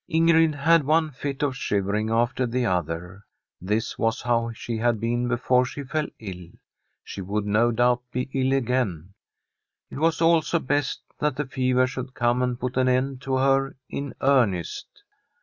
Ingrid had one fit of shivering after the other. This was how she had been before she fell ill. She would no doubt be ill again. It was also best that the fever should come and put an end to her in earnest.